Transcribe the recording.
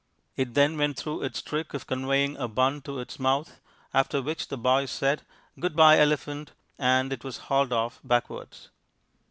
It then went through its trick of conveying a bun to its mouth, after which the boy said, "Good bye, elephant," and it was hauled off backwards.